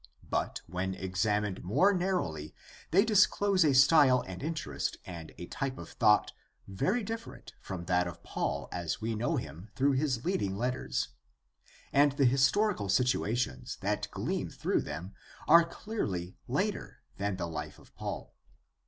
But when examined more narrowly they disclose a style and interest and a type of thought very different from that of Paul as we know him through his leading letters, and the historical situations that gleam through them are clearly later than the life of Paul.